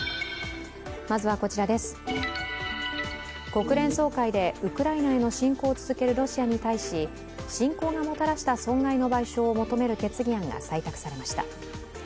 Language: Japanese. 国連総会でウクライナへの侵攻を続けるロシアに対し侵攻がもたらした損害の賠償を求める決議案が採択されました。